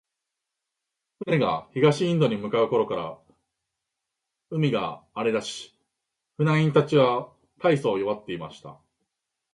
船が東インドに向う頃から、海が荒れだし、船員たちは大そう弱っていました。